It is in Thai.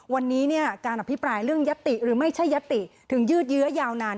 วันนี้เนี่ยการอภิปรายเรื่องยัตติหรือไม่ใช่ยติถึงยืดเยื้อยาวนาน